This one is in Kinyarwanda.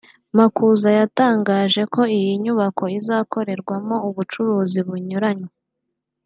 Makuza yatangaje ko iyi nyubako izakorerwamo ubucuruzi bunyuranye